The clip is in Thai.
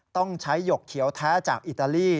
ต้องใช้หยกเขียวแท้จากอิตาลี